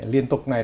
liên tục này